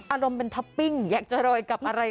อารมณ์เป็นท็อปปิ้งอยากจะโรยกับอะไร